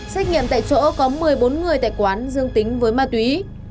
xét nghiệm tại chỗ có một mươi bốn người tại quán dương tính với ma túy